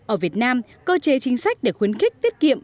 ở việt nam cơ chế chính sách để khuyến khích tiết kiệm